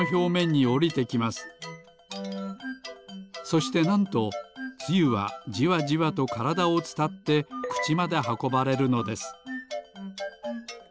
そしてなんとつゆはじわじわとからだをつたってくちまではこばれるのです。